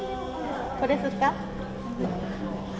これすっか？